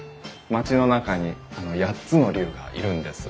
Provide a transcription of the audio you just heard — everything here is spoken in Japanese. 町の中に８つの竜がいるんです。